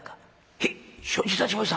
「へえ承知いたしました」。